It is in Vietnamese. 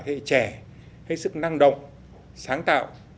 thế hệ trẻ hết sức năng động sáng tạo